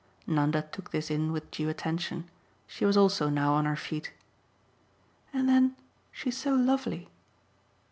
Nanda took this in with due attention; she was also now on her feet. "And then she's so lovely."